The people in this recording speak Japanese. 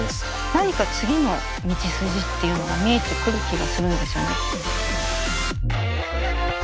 何か次の道筋っていうのが見えてくる気がするんですよね。